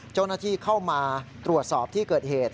เจ้าหน้าที่เข้ามาตรวจสอบที่เกิดเหตุ